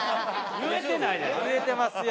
言えてますよ。